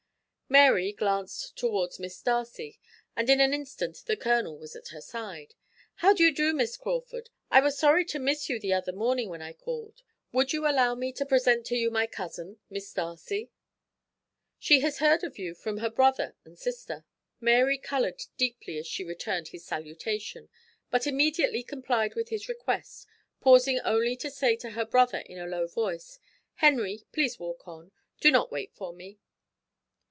Mary glanced towards Miss Darcy, and in an instant the Colonel was at her side. "How do you do, Miss Crawford? I was sorry to miss you the other morning when I called. Would you allow me to present to you my cousin, Miss Darcy? She has heard of you from her brother and sister." Mary coloured deeply as she returned his salutation, but immediately complied with his request, pausing only to say to her brother in a low voice: "Henry, please walk on; do not wait for me."